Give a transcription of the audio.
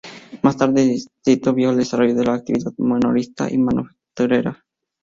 Más tarde, el distrito vio el desarrollo de la actividad minorista y manufacturera.